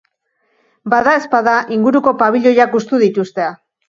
Badaezpada inguruko pabiloiak hustu dituzte.